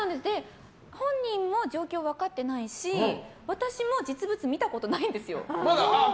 本人も状況を分かってないし私も実物見たことないんですよ。